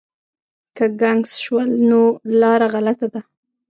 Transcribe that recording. که ګنګس شول نو لاره غلطه ده.